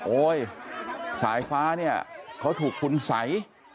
โอ๊ยสายฟ้าเนี่ยเขาถูกคุณสัย